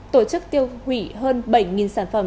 tổ chức tiêu hủy hơn bảy sản phẩm